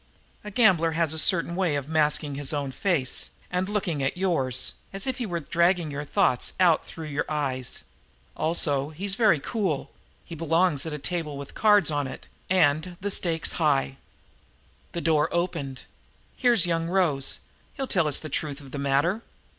"A gambler has a certain way of masking his own face and looking at yours, as if he were dragging your thoughts out through your eyes; also, he's very cool; he belongs at a table with the cards on it and the stakes high." The door opened. "Here's young Rose. He'll tell us the truth of the matter.